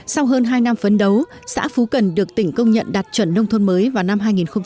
sau hơn hai năm phấn đấu xã phú cần được tỉnh công nhận đạt chuẩn nông thôn mới vào năm hai nghìn một mươi